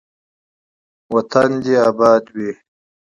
وطن دې اباد وي.